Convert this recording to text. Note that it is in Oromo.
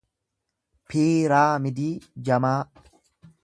piiraamidii jamaa